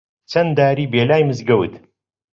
چەن داری بی لای مزگەوت